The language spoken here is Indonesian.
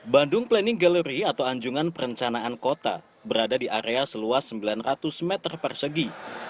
bandung planning gallery atau anjungan perencanaan kota berada di area seluas sembilan ratus meter persegi